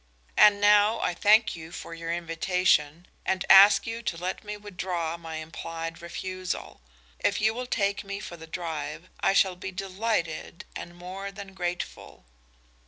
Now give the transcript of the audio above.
And now I thank you for your invitation, and ask you to let me withdraw my implied refusal. If you will take me for the drive, I shall be delighted and more than grateful."